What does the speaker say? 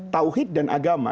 tauhid dan agama